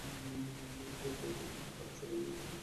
তো তুমি খারাপ শরীর নিয়ে বেড়াতে যেতে চাও?